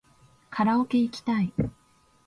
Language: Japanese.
カラオケいきたい